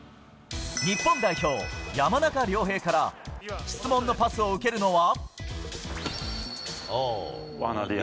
日本代表、山中亮平から質問のパスを受けるのは。